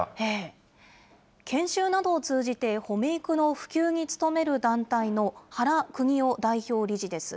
研修などを通じて、ほめ育の普及に努める団体の原邦雄代表理事です。